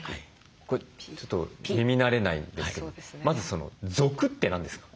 これちょっと耳慣れないんですけどもまずその「属」って何ですか？